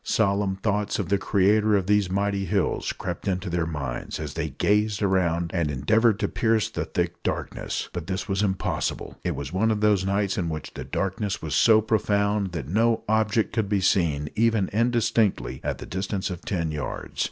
Solemn thoughts of the Creator of these mighty hills crept into their minds as they gazed around and endeavoured to pierce the thick darkness. But this was impossible. It was one of those nights in which the darkness was so profound that no object could be seen even indistinctly at the distance of ten yards.